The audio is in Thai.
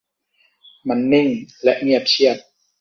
มันนิ่งและเงียบเชียบ